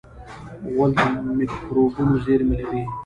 غول د مکروبونو زېرمې لري.